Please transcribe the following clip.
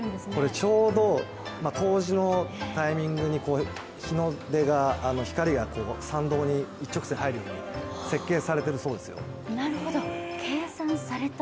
ちょうど冬至のタイミングで日の出が、光が参道に入るように設計されているようですよ。